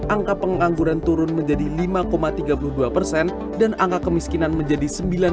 angka pengangguran turun menjadi lima tiga puluh dua persen dan angka kemiskinan menjadi sembilan puluh